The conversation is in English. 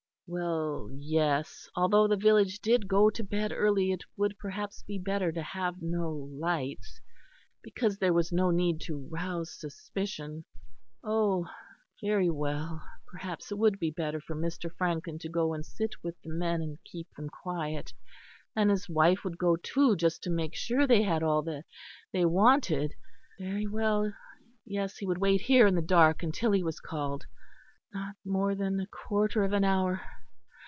Well, yes; although the village did go to bed early it would perhaps be better to have no lights; because there was no need to rouse suspicion. Oh! very well; perhaps it would be better for Mr. Frankland to go and sit with the men and keep them quiet. And his wife would go, too, just to make sure they had all they wanted. Very well, yes; he would wait here in the dark until he was called. Not more than a quarter of an hour?